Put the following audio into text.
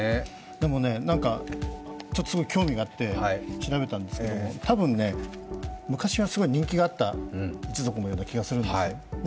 すごい興味があって調べたんですけどたぶん昔は、すごい人気があった一族のような気がするんですよ。